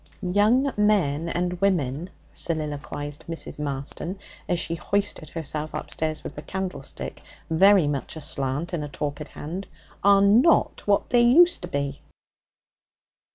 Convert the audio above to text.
'Young men and women,' soliloquized Mrs. Marston as she hoisted herself upstairs with the candlestick very much aslant in a torpid hand, 'are not what they used to be.'